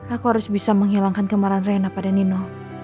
aku harus bisa menghilangkan kemarahan rena pada nino